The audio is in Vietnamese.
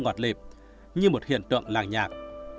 ngọt lịp như một hiện tượng làng nhạc